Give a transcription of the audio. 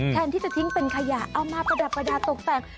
แทนที่จะทิ้งเป็นขยะเอามาประดับประดาษตกแต่ง